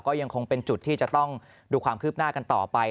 ก็ยังคงเป็นจุดที่จะต้องดูความคืบหน้ากันต่อไป